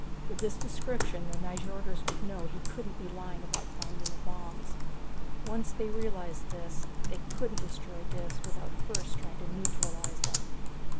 With this description, the Nyjorders would know he couldn't be lying about finding the bombs. Once they realized this, they couldn't destroy Dis without first trying to neutralize them.